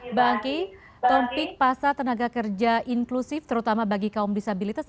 mbak angki topik pasar tenaga kerja inklusif terutama bagi kaum disabilitas